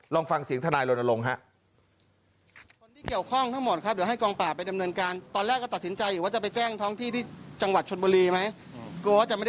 ลองฟังเสียงทนายรณรงค์ฮะ